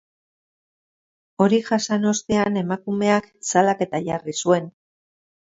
Hori jasan ostean emakumeak salaketa jarri zuen.